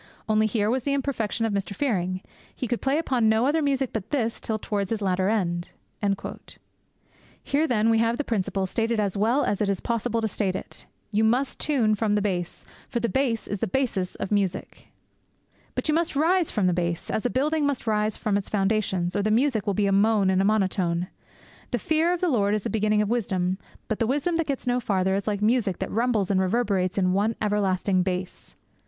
Only here was the imperfection of Mr. Fearing: he could play upon no other music but this, till towards his latter end.' Here, then, we have the principle stated as well as it is possible to state it. You must tune from the bass, for the bass is the basis of music. But you must rise from the bass, as a building must rise from its foundations, or the music will be a moan and a monotone. The fear of the Lord is the beginning of wisdom; but the wisdom that gets no farther is like music that rumbles and reverberates in one everlasting bass.